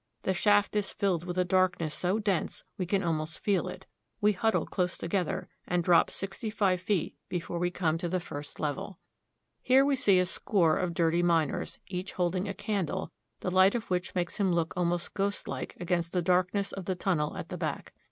The shaft is filled with a darkness so dense we can almost feel it. We huddle close together, and drop sixty five feet before we come to the first level. A VISIT TO A GOLD MINE. 243 Here we see a score of dirty miners, each holding a candle, the light of which makes him look almost ghostlike against the darkness of the tun nel at the back.